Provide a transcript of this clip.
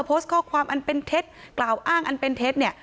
โพสต์ข้อความอันเป็นเท็จกล่าวอ้างอันเป็นเท็จเนี่ย